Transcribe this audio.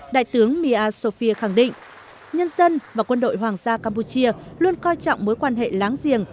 đại tướng mia sofia khẳng định nhân dân và quân đội hoàng gia campuchia luôn coi trọng mối quan hệ láng giềng